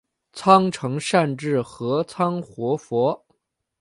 仓成善智合仓活佛。